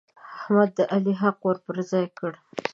احمد د علي حق ور پر ځای کړ.